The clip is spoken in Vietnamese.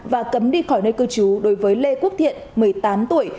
và cấm đi khỏi nơi cư trú đối với lê quốc thiện một mươi tám tuổi